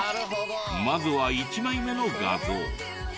まずは１枚目の画像。